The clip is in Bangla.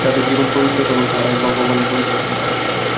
যাঁদের জীবন পবিত্র, কেবল তাঁরাই ভগবানের দর্শন পান।